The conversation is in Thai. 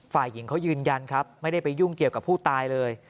ฝ่ายหญิงเขายืนยันครับไม่ได้ไปยุ่งเกี่ยวกับผู้ตายเลย